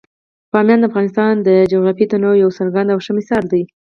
بامیان د افغانستان د جغرافیوي تنوع یو څرګند او ښه مثال دی.